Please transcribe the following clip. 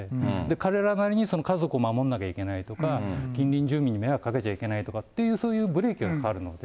彼らなりに家族を守んなきゃいけないとか、近隣住民に迷惑かけちゃいけないっていうそういうブレーキがかかるので。